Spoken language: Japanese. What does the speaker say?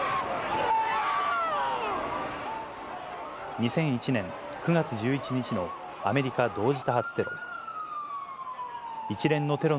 ２００１年９月１１日のアメリカ同時多発テロ。